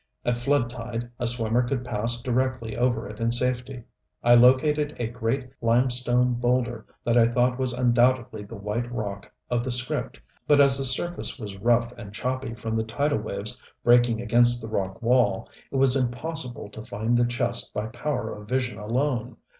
At flood tide a swimmer could pass directly over it in safety. I located a great limestone boulder that I thought was undoubtedly the "white rock" of the script, but as the surface was rough and choppy from the tidal waves breaking against the rock wall, it was impossible to find the chest by power of vision alone.